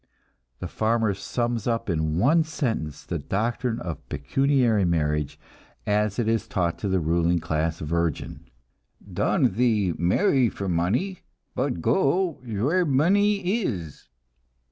The farmer sums up in one sentence the doctrine of pecuniary marriage as it is taught to the ruling class virgin: "Doän't thee marry for money, but goä wheer money is."